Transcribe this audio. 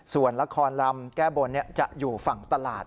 ส่วนละครลำแก้บนจะอยู่ฝั่งตลาด